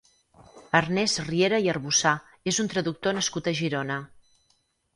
Ernest Riera i Arbussà és un traductor nascut a Girona.